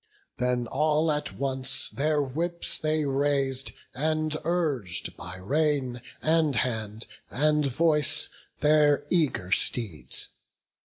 Then all at once their whips they rais'd, and urg'd By rein, and hand, and voice, their eager steeds.